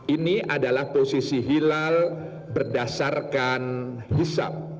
ini adalah posisi hilal berdasarkan hisap